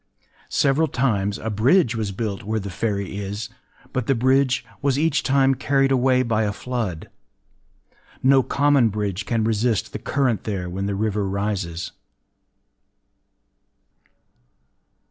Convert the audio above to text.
Several times a bridge was built where the ferry is; but the bridge was each time carried away by a flood. No common bridge can resist the current there when the river rises.